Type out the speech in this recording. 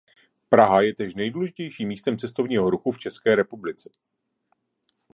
Praha je též nejdůležitějším místem cestovního ruchu v České republice.